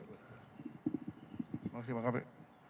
terima kasih pak kabit